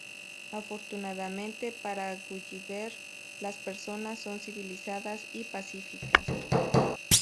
Afortunadamente para Gulliver, las personas son civilizadas y pacíficas.